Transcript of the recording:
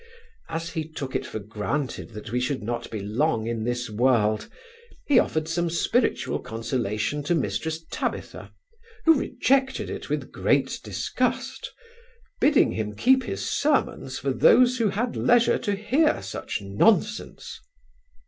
As he took it for granted that we should not be long in this world, he offered some spiritual consolation to Mrs Tabitha, who rejected it with great disgust, bidding him keep his sermons for those who had leisure to hear such nonsense.